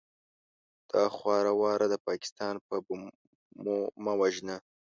دا خواره واره د پاکستان په بمو مه وژنه!